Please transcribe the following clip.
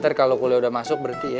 ntar kalo kuliah udah masuk berhenti ya